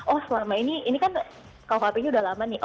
oh selama ini ini kan kuhp nya udah lama nih